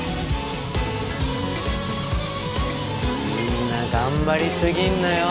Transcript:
みんな頑張り過ぎんなよ！